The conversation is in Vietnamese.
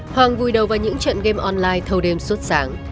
hoàng vùi đầu vào những trận gam online thâu đêm suốt sáng